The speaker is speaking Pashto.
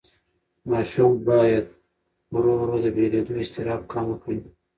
ماشوم باید ورو ورو د بېلېدو اضطراب کمه کړي.